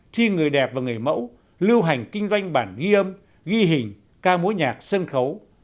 thi người đẹp và người mẫu lưu hành kinh doanh bản ghi âm ghi hình ca mối nhạc sân khấu